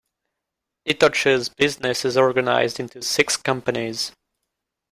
Itochu's business is organized into six companies.